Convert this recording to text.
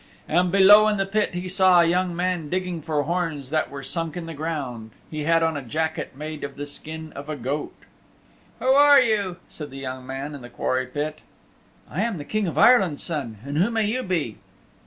And below in the pit he saw a young man digging for horns that were sunk in the ground. He had on a jacket made of the skin of a goat. "Who are you?" said the young man in the quarry pit. "I am the King of Ireland's Son. And who may you be?"